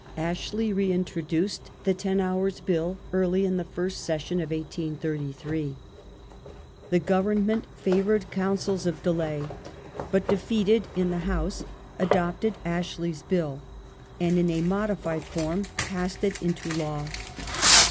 Ashley reintroduced the ten hours Bill early in the first session of 1833. The Government favoured counsels of delay, but, defeated in the House, adopted Ashley's Bill, and in a modified form passed it into law.